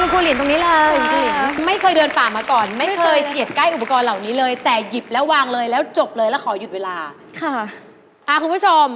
คุณผู้ชม